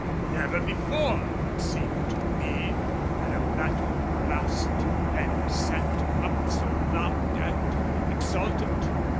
Never before, it seemed to me, had a battle blast been sent up so loud and exultant.